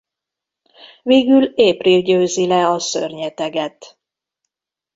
Végül April győzi le a szörnyeteget.